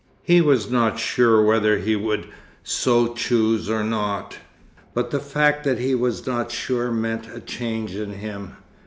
He was not sure whether he would so choose or not, but the fact that he was not sure meant a change in him.